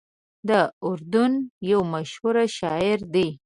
د اردن یو مشهور شاعر دی.